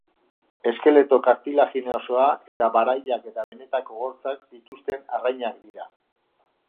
Eskeleto kartilaginosoa eta barailak eta benetako hortzak dituzten arrainak dira.